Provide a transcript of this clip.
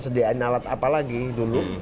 sediaan alat apa lagi dulu